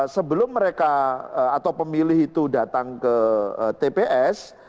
sebelum mereka atau pemilih itu datang ke tps